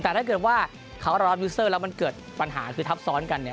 แต่ถ้าเกิดว่าเขาร้อนวิวเซอร์แล้วมันเกิดปัญหาคือทับซ้อนกัน